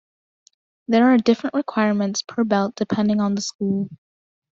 There are different requirements per belt depending on the school.